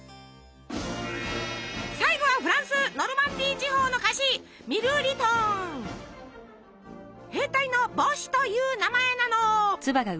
最後はフランスノルマンディー地方の菓子「兵隊の帽子」という名前なの。